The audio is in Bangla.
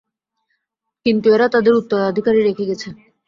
কিন্তু এরা তাদের উত্তরাধিকারী রেখে গেছে।